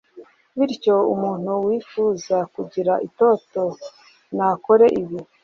bityo umuntu wifuza kugira itoto nakore ibi